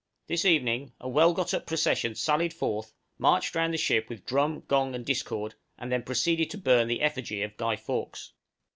This evening a well got up procession sallied forth, marched round the ship with drum, gong, and discord, and then proceeded to burn the effigy of Guy Fawkes.